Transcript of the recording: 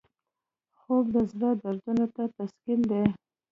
خوب د زړه دردونو ته تسکین دی